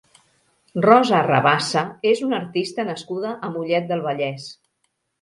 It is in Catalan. Rosa Rabassa és una artista nascuda a Mollet del Vallès.